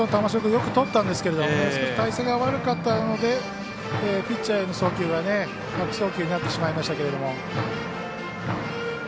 よくとったんですけど体勢が悪かったのでピッチャーへの送球が悪送球になってしまいましたけど。